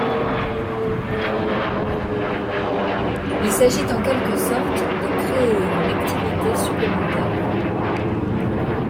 Il s’agit en quelque sorte de créer une activité supplémentaire.